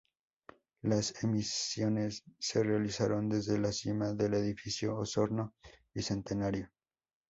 Las emisiones se realizaron desde la cima del edificio Osorno Bicentenario.